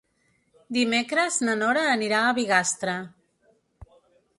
Dimecres na Nora anirà a Bigastre.